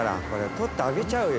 撮ってあげちゃうよ。